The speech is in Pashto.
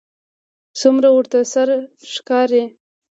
څومره ورته سره ښکاري